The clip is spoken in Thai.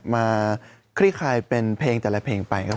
คลี่คลายเป็นเพลงแต่ละเพลงไปครับ